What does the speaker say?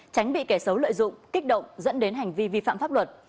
tránh bị kẻ xấu lợi dụng kích động dẫn đến hành vi vi phạm pháp luật